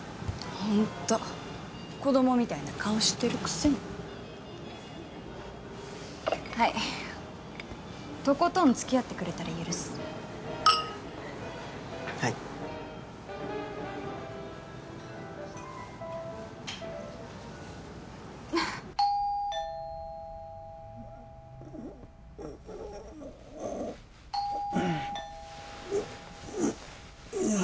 ホント子供みたいな顔してるくせにはいとことんつきあってくれたら許すはいうっううっうっうっうっ